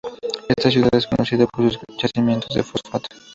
Esta ciudad es conocida por sus yacimientos de fosfato.